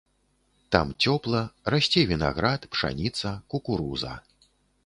Там цёпла, расце вінаград, пшаніца, кукуруза.